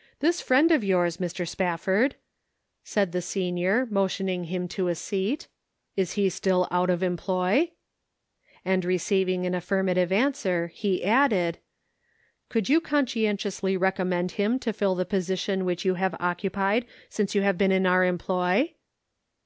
" This friend of yours, Mr. Spafford," said the senior, motioning him to a seat :" is he still out of employ ?"' And receiving an affirmative answer he added :" Could you conscientiously recommend him to fill the position which you have occupied since you have been in our employ?"